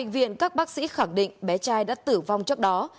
viện các bác sĩ khẳng định bé trai đã tử vong trước đó